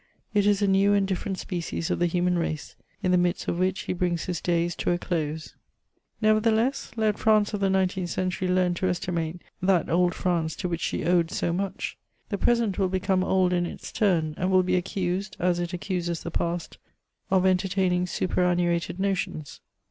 It is a new and different species of the human race, in ihe midst of which he brings his days to a close. Neyertheless, let France of the nineteenth century leam to estimate that old France to which she owed so modi. The present will beccHne old in its turn, and will be aecnsed, as it accuses the past, of entertaining superannuated notions.